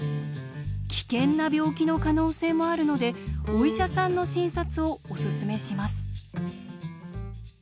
危険な病気の可能性もあるのでお医者さんの診察をお勧めします。